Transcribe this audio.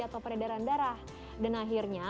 atau peredaran darah dan akhirnya